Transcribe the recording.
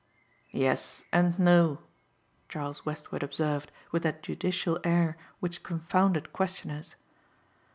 "Yes and no," Charles Westward observed with that judicial air which confounded questioners.